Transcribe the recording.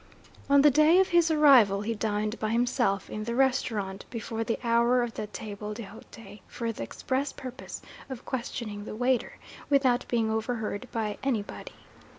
On the day of his arrival, he dined by himself in the restaurant, before the hour of the table d'hote, for the express purpose of questioning the waiter, without being overheard by anybody.